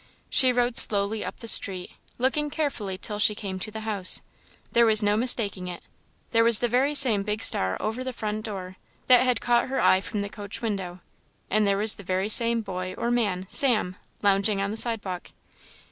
She rode slowly up the street, looking carefully till she came to the house. There was no mistaking it; there was the very same big star over the front door, that had caught her eye from the coach window, and there was the very same boy or man, Sam, lounging on the sidewalk.